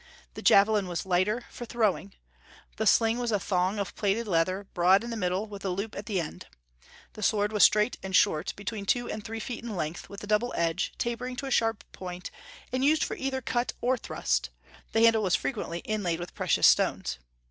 The javelin was lighter, for throwing. The sling was a thong of plaited leather, broad in the middle, with a loop at the end. The sword was straight and short, between two and three feet in length, with a double edge, tapering to a sharp point, and used for either cut or thrust; the handle was frequently inlaid with precious stones.